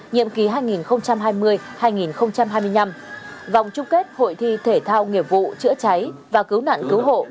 nhiệm ký hai nghìn hai mươi hai nghìn hai mươi năm vòng chung kết hội thi thể thao nghiệp vụ chữa cháy và cứu nạn cứu hộ